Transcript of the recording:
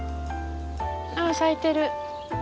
あ咲いてる。